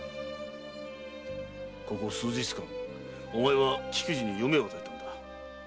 ここ数日間お前は菊路に夢を与えたんだ。